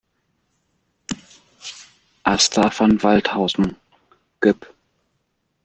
Asta von Waldthausen, geb.